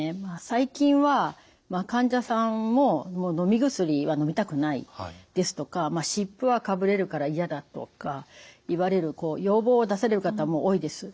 最近は患者さんも「もうのみ薬はのみたくない」ですとか「湿布はかぶれるから嫌だ」とか言われる要望を出される方も多いです。